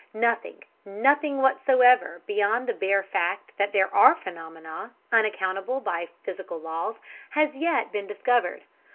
Nothing nothing whatsoever, beyond the bare fact that there are phenomena, unaccountable by physical laws, has as yet been discovered.